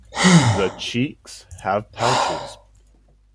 The cheeks have pouches.